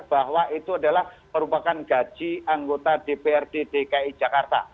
bahwa itu adalah merupakan gaji anggota dprd dki jakarta